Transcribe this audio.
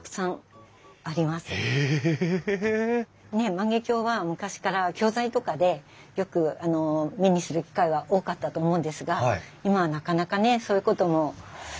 万華鏡は昔から教材とかでよく目にする機会は多かったと思うんですが今はなかなかねそういうこともないので。